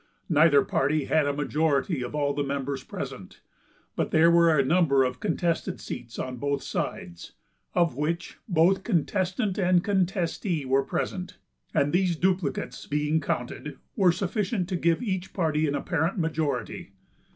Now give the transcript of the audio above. Neither party had a majority of all the members present, but there were a number of contested seats on both sides, of which both contestant and contestee were present, and these duplicates being counted, were sufficient to give each party an apparent majority.